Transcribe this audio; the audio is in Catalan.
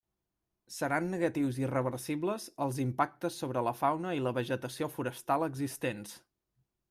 Seran negatius i reversibles els impactes sobre la fauna i la vegetació forestal existents.